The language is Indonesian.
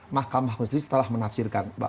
mahkamah konstitusi telah menapsirkan